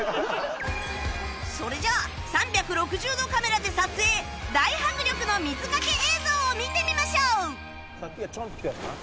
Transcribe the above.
それじゃあ３６０度カメラで撮影大迫力の水かけ映像を見てみましょう！